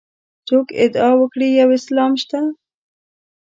څوک ادعا وکړي یو اسلام شته.